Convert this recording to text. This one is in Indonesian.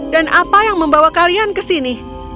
dan apa yang membawa kalian ke sini